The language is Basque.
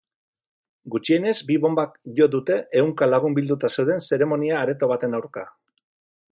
Gutxienez bi bonbak jo dute ehunka lagun bilduta zeuden zeremonia areto baten aurka.